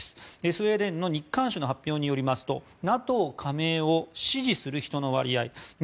スウェーデンの日刊紙の発表によりますとＮＡＴＯ加盟を支持する人の割合